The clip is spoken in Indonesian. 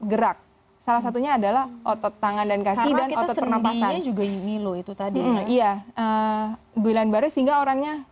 gerak salah satunya adalah otot tangan dan kaki dan otot pernafasan ya guilanbare sehingga orangnya